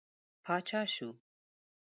پاچا شو.